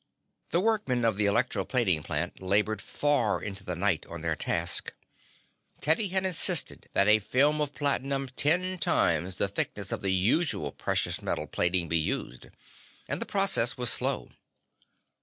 The workmen of the electro plating plant labored far into the night on their task. Teddy had insisted that a film of platinum ten times the thickness of the usual precious metal plating be used, and the process was slow.